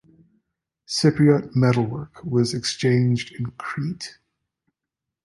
Cypriot metalwork was exchanged in Crete.